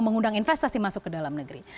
mengundang investasi masuk ke dalam negeri